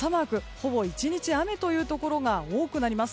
ほぼ１日雨というところが多くなります。